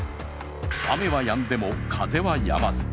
雨はやんでも風はやまず。